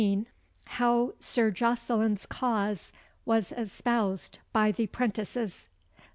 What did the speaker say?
How Sir Jocelyn's cause was espoused by the 'prentices.